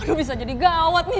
kok bisa jadi gawat nih